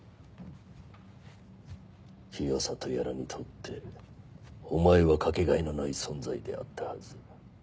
清里やらにとってお前はかけがえのない存在であったはず。